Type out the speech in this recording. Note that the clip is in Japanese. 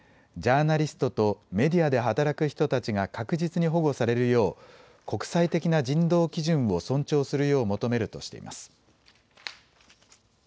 ジャーナリストとメディアで働く人たちが確実に保護されるよう国際的な人道基準を尊重するよう求めるとしています。